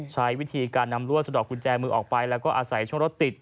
ใช้วิธีการนำรวดสะดอกกุญแจมือออกไปแล้วก็อาศัยช่วงรถติด